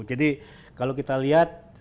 jadi kalau kita lihat